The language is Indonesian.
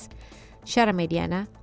kementerian sedang dalam tahap finalisasi teknis